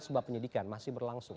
sebab penyidikan masih berlangsung